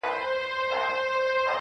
زنګ وهلی د خوشال د توري شرنګ یم.